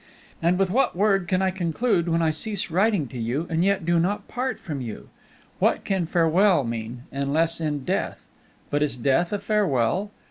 "And with what word can I conclude when I cease writing to you, and yet do not part from you? What can farewell mean, unless in death? But is death a farewell?